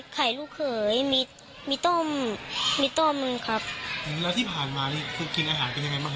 ผัดมาม่าทุกวันมีไหม